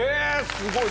すごい。